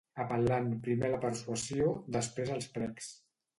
Apel·lant primer a la persuasió, després als precs